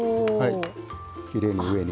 きれいに上に。